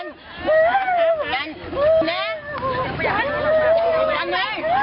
ดีละ